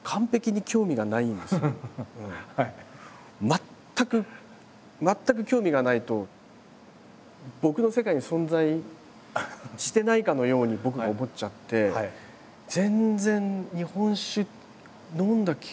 全く全く興味がないと僕の世界に存在してないかのように僕が思っちゃって全然日本酒飲んだ記憶とかもほとんどない。